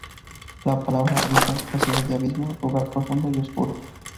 La palabra abisal procede de abismo, lugar profundo y oscuro.